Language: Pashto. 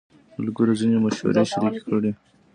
ملګرو ځینې مشورې شریکې کړې.